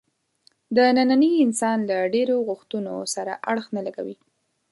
د ننني انسان له ډېرو غوښتنو سره اړخ نه لګوي.